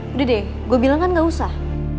udah deh gue bilang kan gak usah